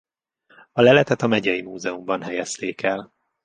A leletet a megyei múzeumban helyezték el.